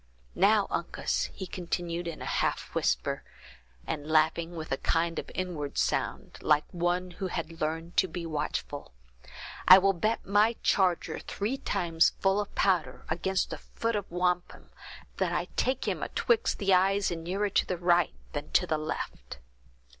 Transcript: Now, Uncas," he continued, in a half whisper, and laughing with a kind of inward sound, like one who had learned to be watchful, "I will bet my charger three times full of powder, against a foot of wampum, that I take him atwixt the eyes, and nearer to the right than to the left."